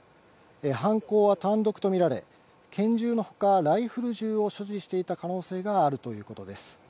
犯行は単独と見られ、拳銃のほか、ライフル銃を所持していた可能性があるということです。